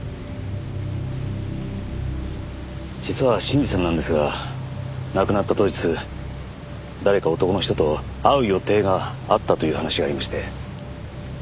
実は信二さんなんですが亡くなった当日誰か男の人と会う予定があったという話がありまして。